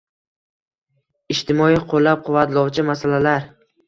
ijtimoiy qo‘llab-quvvatlovchi masalalar